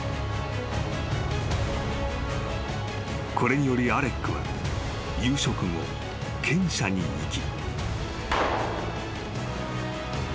［これによりアレックは夕食後犬舎に行き］